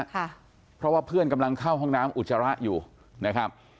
ค่ะเพราะว่าเพื่อนกำลังเข้าห้องน้ำอุจจาระอยู่นะครับ